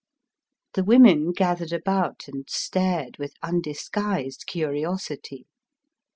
The women gathered about and stared with undisguised curiosity.